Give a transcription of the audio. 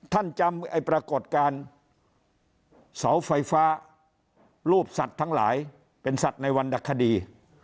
ท่านจำปรากฏการณ์เสาไฟฟ้ารูปสัตว์ทั้งหลายเป็นสัตว์ในวรรณคดี